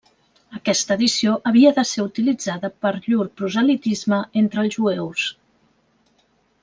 Aquesta edició havia de ser utilitzada per llur proselitisme entre els jueus.